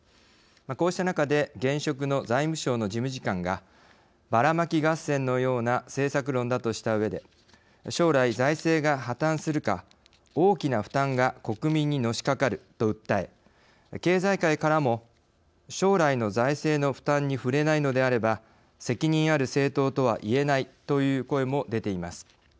こうした中で現職の財務省の事務次官がバラマキ合戦のような政策論だとしたうえで「将来、財政が破綻するか大きな負担が国民にのしかかる」と訴え、経済界からも「将来の財政の負担に触れないのであれば責任ある政党とは言えない」という声も出ています。